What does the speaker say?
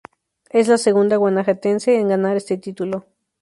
Ella es la segunda Guanajuatense en ganar este título.